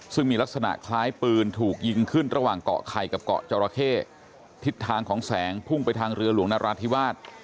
ซึ่งมีลักษณะคล้ายปืนถูกยิงขึ้นระหว่างเกาะไข่กับเกาะจราเข้ทิศทางของแสงพุ่งไปทางเรือหลวงนราธิวาส